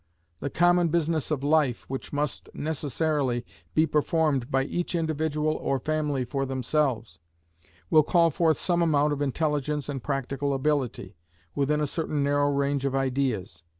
The common business of life, which must necessarily be performed by each individual or family for themselves, will call forth some amount of intelligence and practical ability, within a certain narrow range of ideas.